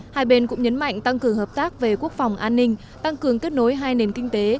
hai bên cũng nhấn mạnh tăng cường hợp tác về quốc phòng an ninh tăng cường kết nối hai nền kinh tế